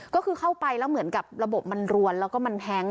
ก็คือเข้าไปแล้วเหมือนกับระบบมันรวนแล้วก็มันแฮ้ง